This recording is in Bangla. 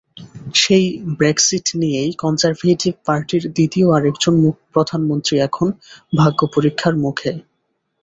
সেই ব্রেক্সিট নিয়েই কনজারভেটিভ পার্টির দ্বিতীয় আরেকজন প্রধানমন্ত্রী এখন ভাগ্যপরীক্ষার মুখে।